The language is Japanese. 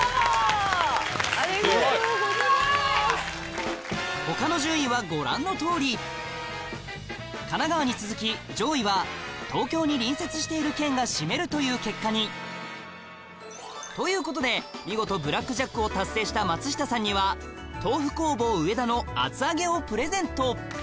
すごい！他の順位はご覧のとおり神奈川に続き上位は東京に隣接している県が占めるという結果にということで見事ブラックジャックを達成した松下さんにはをプレゼント